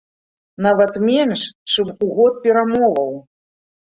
Нават менш, чым у год перамоваў.